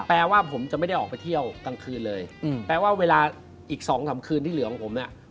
แปลว่าผมจะไม่ได้ออกไปเที่ยวกลางคืนเลย